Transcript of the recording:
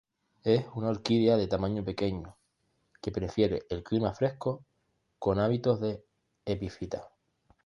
Es una orquídea de tamaño pequeño, que prefiere el clima fresco, con hábitos de epífita.